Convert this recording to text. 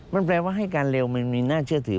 มันแปลว่าให้การเร็วมันมีน่าเชื่อถือ